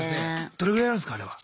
どれぐらいやるんすかあれは。